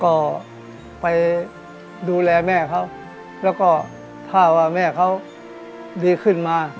ก็ไปดูแลแม่เขาแล้วก็ถ้าว่าแม่เขาดีขึ้นมา